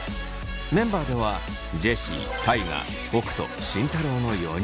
メンバーではジェシー大我北斗慎太郎の４人。